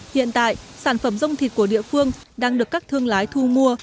hiện tại sản phẩm dông thịt của địa phương đang được các thương lái thu mua